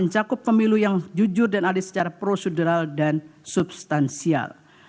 mencakup pemilu yang jujur dan adil secara prosedural dan substansial